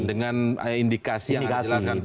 dengan indikasi yang anda jelaskan tadi